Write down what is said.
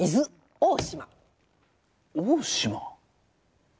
大島。